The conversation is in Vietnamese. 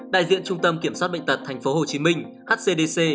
đại diện trung tâm kiểm soát bệnh tật tp hcm hcdc